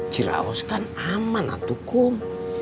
ciraus kan aman atukum